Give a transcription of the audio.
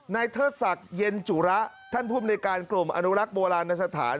เทิดศักดิ์เย็นจุระท่านภูมิในการกลุ่มอนุรักษ์โบราณสถาน